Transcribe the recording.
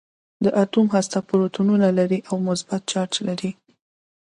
د اتوم هسته پروتونونه لري او مثبت چارج لري.